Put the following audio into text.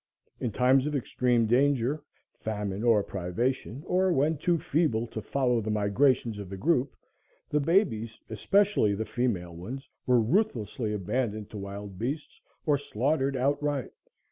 In times of extreme danger, famine or privation, or when too feeble to follow the migrations of the group, the babies, especially the female ones, were ruthlessly abandoned to wild beasts or slaughtered outright.